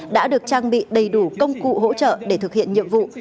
đã được trang bị đầy đủ công cụ hỗ trợ để thực hiện nhiệm vụ